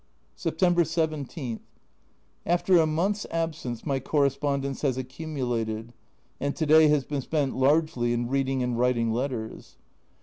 September 17. After a month's absence my corre spondence has accumulated, and to day has been spent largely in reading and writing letters.